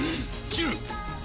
切る！